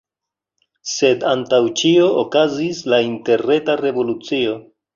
Sed antaŭ ĉio okazis la interreta revolucio.